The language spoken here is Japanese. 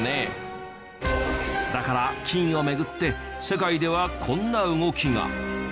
だから金を巡って世界ではこんな動きが。